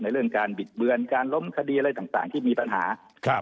เรื่องการบิดเบือนการล้มคดีอะไรต่างที่มีปัญหาครับ